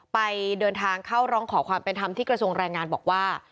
ไปเดินทางเข้าร้องขอความเป็นธรรมที่กระทรวงแรงงานบอกว่า